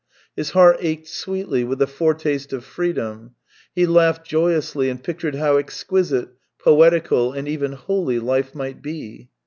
His heart ached sweetly with the foretaste of freedom; he laughed joyously, and pictured how exquisite, poetical, and even holy, life might be.